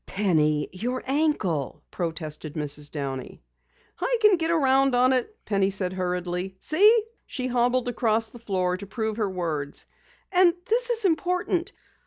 "Penny, your ankle " protested Mrs. Downey. "I can get around on it," Penny said hurriedly. "See!" She hobbled across the floor to prove her words. "And this is important.